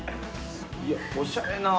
いやおしゃれな。